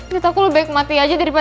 dia takut lo back mati aja daripada